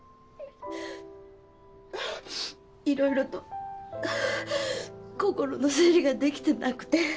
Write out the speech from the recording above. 色々と心の整理ができてなくて。